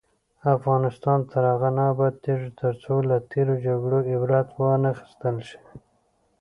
افغانستان تر هغو نه ابادیږي، ترڅو له تیرو جګړو عبرت وانخیستل شي.